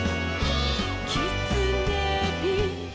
「きつねび」「」